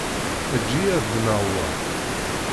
Eǧǧ-iyi ad ddmeɣ wa.